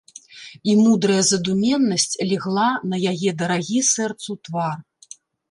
І мудрая задуменнасць легла на яе дарагі сэрцу твар.